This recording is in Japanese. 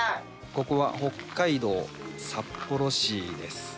ここは北海道札幌市です。